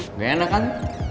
nggak enak kan